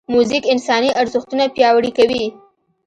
موزیک انساني ارزښتونه پیاوړي کوي.